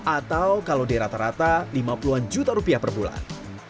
atau kalau di rata rata lima puluh an juta rupiah per bulan